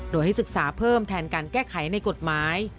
โดยให้ศึกษาเพิ่มแทนการแก้ไขในกฎหมาย